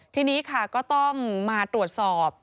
ทีนี้ค่ะก็ต้องมาตรวจสอบ